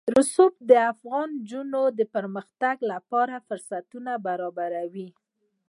رسوب د افغان نجونو د پرمختګ لپاره فرصتونه برابروي.